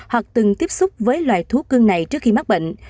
hoặc từng tiếp xúc với loài thuốc cương này trước khi mắc bệnh